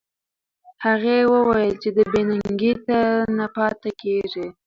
هغې وویل چې بې ننګۍ ته نه پاتې کېږي.